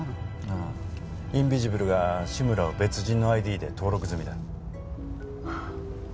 ああインビジブルが志村を別人のＩＤで登録済みだはっ